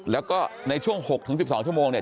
แล้วก็ในช่วง๖๑๒ชั่วโมงเนี่ย